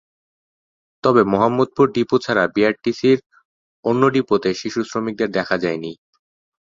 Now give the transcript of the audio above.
তবে মোহাম্মদপুর ডিপো ছাড়া বিআরটিসির অন্য ডিপোতে শিশু শ্রমিকদের দেখা যায়নি।